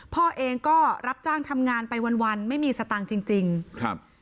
พ่อเองก็รับจ้างทำงานไปวันวันไม่มีสตางค์จริงจริงครับ